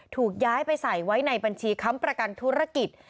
ถูกย้ายไปใส่ไว้ในบัญชีค้ำประกันธุรกิจ